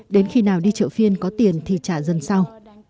đến khi nào đi chợ phiên có tiền thì trả dần sau